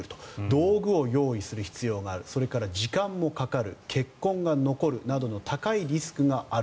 道具を用意する必要があるそれから時間もかかる、血痕が残るなどの高いリスクがある。